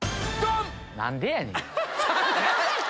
何でやねん！